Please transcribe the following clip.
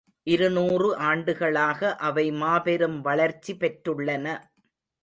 இருநூறு ஆண்டுகளாக அவை மாபெரும் வளர்ச்சி பெற்றுள்ளன.